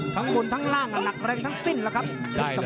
ทางบนทางล่างหนักแรงทางสิ้นแหละครับ